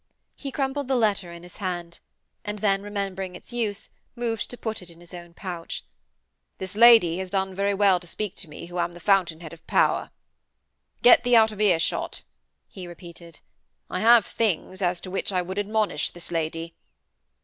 He crumpled the letter in his hand, and then, remembering its use, moved to put it in his own pouch. 'This lady has done very well to speak to me who am the fountainhead of power.' 'Get thee out of earshot,' he repeated. 'I have things as to which I would admonish this lady.'